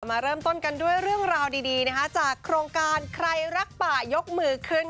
มาเริ่มต้นกันด้วยเรื่องราวดีนะคะจากโครงการใครรักป่ายกมือขึ้น